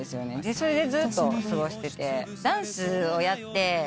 それでずっと過ごしてて。